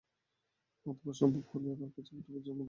অথবা সম্ভব হলেও তার কাছে একটা বোঝার মতো মনে হওয়াটাই স্বাভাবিক।